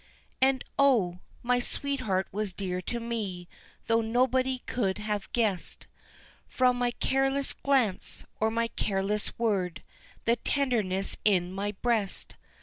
And, O, my sweetheart was dear to me, though nobody could have guessed From my careless glance, or my careless word, the tenderness in my breast.